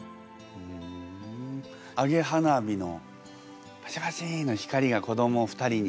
揚げ花火のパチパチの光が子ども２人にこう。